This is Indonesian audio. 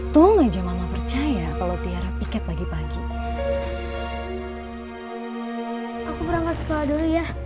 tunggu aja mama percaya kalau tiara pikir pagi pagi aku berangkat sekolah dulu ya